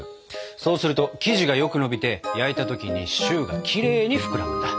そうすると生地がよく伸びて焼いた時にシューがきれいに膨らむんだ。